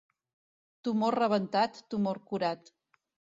Tumor rebentat, tumor curat.